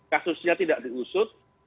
kasusnya tidak diusut